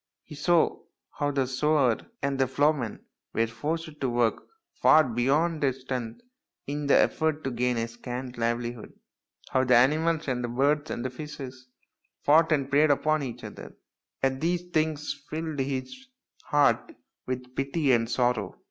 He saw how the sower and the ploughman were forced to work far beyond their strength in the effort to gain a scanty livelihood, how the animals and birds and fishes fought and preyed upon each other, and these things filled his heart with pity and sorrow.